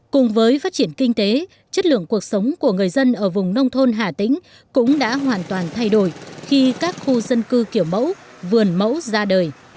cùng với phát triển kinh tế chất lượng cuộc sống của người dân ở vùng nông thôn hà tĩnh cũng đã hoàn toàn thay đổi khi các khu dân cư kiểu mẫu vườn mẫu ra đời